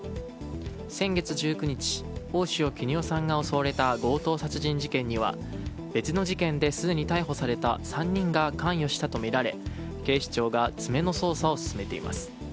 先月１９日大塩衣与さんが襲われた強盗殺人事件には別の事件ですでに逮捕された３人が関与したとみられ警視庁が詰めの捜査を進めています。